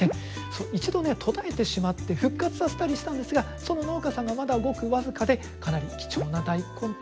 一度ね途絶えてしまって復活させたりしたんですがその農家さんがまだごく僅かでかなり貴重な大根となっているようです。